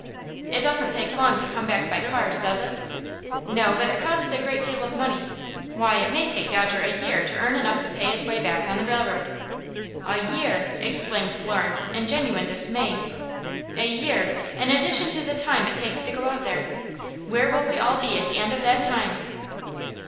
"It doesn't take long to come back by cars, does it?" "No; but it costs a great deal of money. Why, it may take Dodger a year to earn enough to pay his way back on the railroad." "A year!" exclaimed Florence, in genuine dismay "a year, in addition to the time it takes to go out there! Where will we all be at the end of that time?"